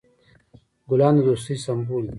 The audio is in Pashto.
ګلان د دوستی سمبول دي.